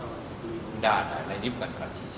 ada pesan untuk transisi